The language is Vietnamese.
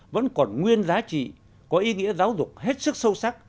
vẫn còn nguyên giá trị có ý nghĩa giáo dục hết sức sâu sắc